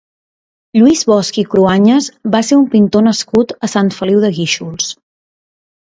Lluís Bosch i Cruañas va ser un pintor nascut a Sant Feliu de Guíxols.